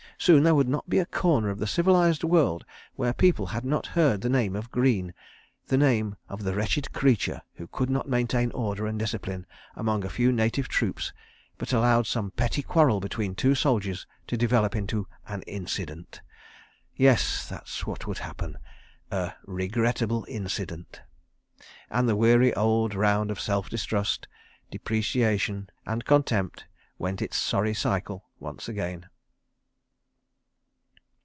Soon there would not be a corner of the civilised world where people had not heard the name of Greene, the name of the wretched creature who could not maintain order and discipline among a few native troops, but allowed some petty quarrel between two soldiers to develop into an "incident." Yes—that's what would happen, a "regrettable incident." ... And the weary old round of self distrust, depreciation and contempt went its sorry cycle once again.